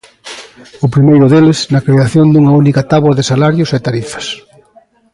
O primeiro deles, na creación dunha única táboa de salarios e tarifas.